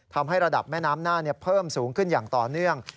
ทำให้ระดับแม่น้ำน่านเพิ่มสูงขึ้นอย่างต่อเนื่อง